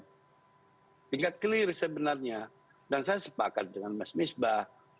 sehingga clear sebenarnya dan saya sepakat dengan mas misbah